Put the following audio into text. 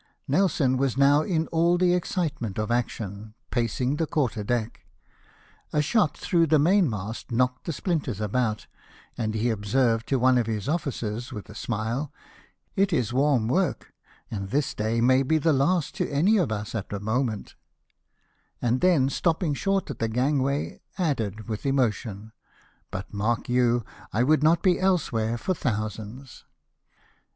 Nelson was now in all the excitement of action, pacing the quarter deck. A shot through the main mast knocked the splinters about, and he observed to one of his officers, with a smile :" It is warm work, and this day may be the last to any of us at a moment ;"— and then stopping short at the gangway, added, with emotion — "but mark you, I would not be elsewhere for thousands."